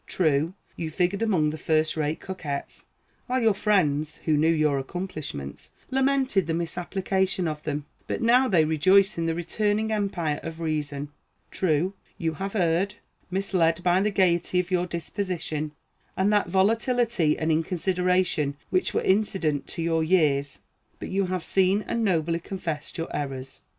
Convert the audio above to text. True, you figured among the first rate coquettes, while your friends, who knew your accomplishments, lamented the misapplication of them; but now they rejoice at the returning empire of reason. True, you have erred; misled by the gayety of your disposition, and that volatility and inconsideration which were incident to your years; but you have seen and nobly confessed your errors.